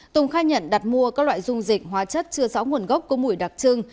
tùng khai nhận đặt mua các loại dung dịch hóa chất chưa rõ nguồn gốc có mùi đặc trưng